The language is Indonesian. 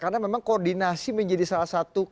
karena memang koordinasi menjadi salah satu